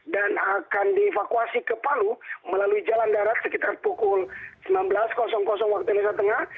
dan akan dievakuasi ke palu melalui jalan darat sekitar pukul sembilan belas waktu indonesia tengah